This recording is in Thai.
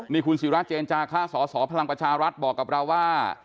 นี่คุณศิราเจนจาคะสสพลังประชารัฐบอกกับเราว่า